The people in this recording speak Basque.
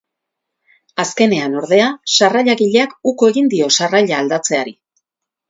Azkenean, ordea, sarrailagileak uko egin dio sarraila aldatzeari.